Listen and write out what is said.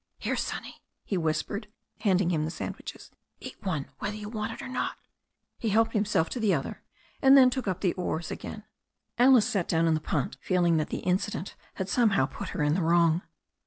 "Here, Sonny," he whispered, handing him the sandwiches, "eat one whether you want it or not." He helped himself to the other and then took up the oars again. Alice sat down in the punt feeling that the incident had somehow put her in the wrong.